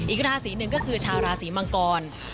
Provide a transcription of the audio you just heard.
อีกราศีหนึ่งก็คือชาวราศีมังกร